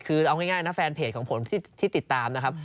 คือเอาง่ายนะแฟนเพจของผมที่ติดตามนะครับ